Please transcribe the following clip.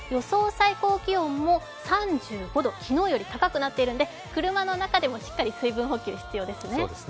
最高気温も３５度、昨日より高くなっているので車の中でもしっかり水分補給必要ですね。